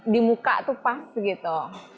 di muka tuh pas gitu